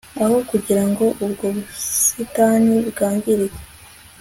Aho kugirango ubwo busitani bwangirike